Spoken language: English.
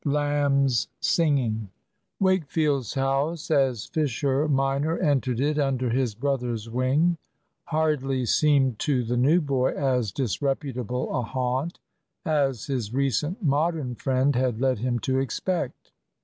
LAMB'S SINGING. Wakefield's house, as Fisher minor entered it under his brother's wing, hardly seemed to the new boy as disreputable a haunt as his recent Modern friend had led him to expect.